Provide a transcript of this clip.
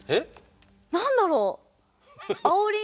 何だろう。